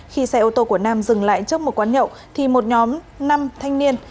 khi xe ô tô của nam dừng lại trước một quán nhậu thì một nhóm năm thanh niên